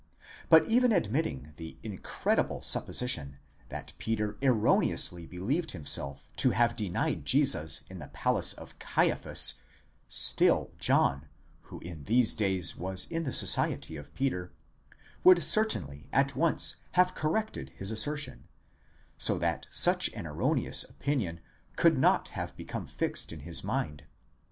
% But even admitting the incredible supposition that Peter erroneously believed himself to have denied Jesus in the palace of Caiaphas, still John, who in these days was in the society of Peter, would certainly at once have corrected his assertion, so that such an erroneous opinion could not have become fixed in his mind.